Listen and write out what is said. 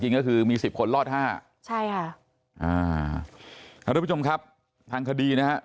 ก็คือมีสิบคนรอดห้าใช่ค่ะอ่าทุกผู้ชมครับทางคดีนะฮะ